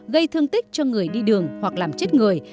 gây thương tích cho người đi đường hoặc làm chết người